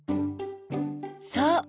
そう。